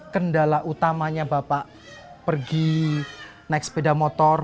kendala utamanya bapak pergi naik sepeda motor